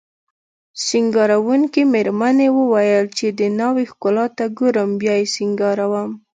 سینګاروونکې میرمنې وویل چې د ناوې ښکلا ته ګورم بیا یې سینګاروم